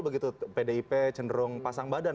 begitu pdip cenderung pasang badan